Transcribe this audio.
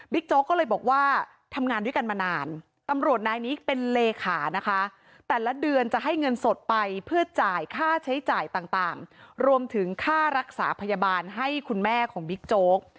โจ๊กก็เลยบอกว่าทำงานด้วยกันมานานตำรวจนายนี้เป็นเลขานะคะแต่ละเดือนจะให้เงินสดไปเพื่อจ่ายค่าใช้จ่ายต่างรวมถึงค่ารักษาพยาบาลให้คุณแม่ของบิ๊กโจ๊ก